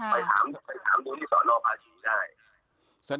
ไปถามไปถามดูที่สอนออกภาษีได้